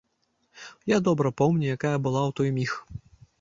Я добра помню, якая была ў той міг.